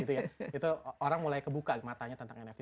itu orang mulai kebuka matanya tentang nft